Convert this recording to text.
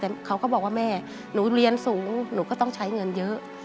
แต่เขาก็บอกว่าแม่หนูเรียนสูงหนูก็ต้องใช้เงินเยอะ